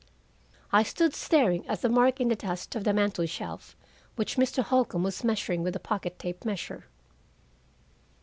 I stood staring at the mark in the dust of the mantel shelf, which Mr. Holcombe was measuring with a pocket tape measure.